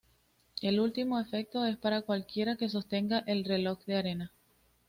El último efecto es para cualquiera que sostenga el reloj de arena.